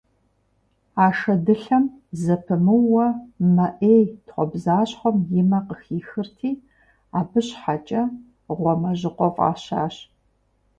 А шэдылъэм зэпымыууэ мэ Ӏей, тхъуэбзащхъуэм и мэ къыхихырти, абы щхьэкӀэ «Гъуамэжьыкъуэ» фӀащащ.